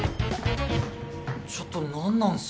ちょっと何なんすか？